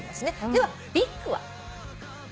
ではビッグは？